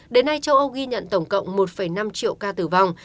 đến nay châu âu ghi nhận tổng cộng một năm triệu ca tử vong